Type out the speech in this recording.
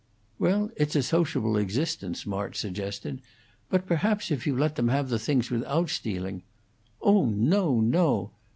"Well, it's a sociable existence," March suggested. "But perhaps if you let them have the things without stealing " "Oh no, no!